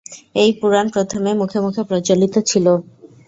এই পুরাণ প্রথমে মুখে মুখে প্রচলিত ছিল।